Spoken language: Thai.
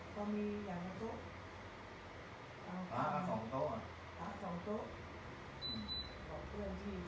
ต้องมีอย่างกับโต๊ะอ่าสองโต๊ะอ่าสองโต๊ะอืมของเพื่อนที่